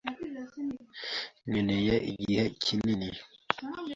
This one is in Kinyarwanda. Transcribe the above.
Nkeneye igihe kinini.